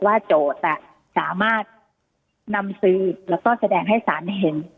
โจทย์สามารถนำสืบแล้วก็แสดงให้สารเห็น